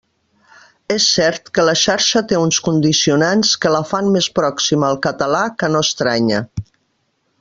És cert que la xarxa té uns condicionants que la fan més pròxima al català que no estranya.